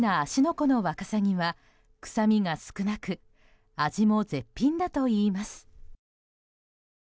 湖のワカサギは臭みが少なく味も絶品だといいます。